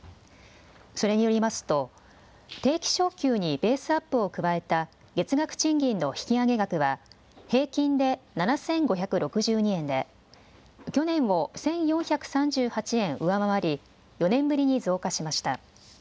それによりますと定期昇給にベースアップを加えた月額賃金の引き上げ額は平均で７５６２円で去年を１４３８円上回り４年ぶりに増加しました。